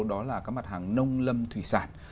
đó là các mặt hàng nông lâm thủy sản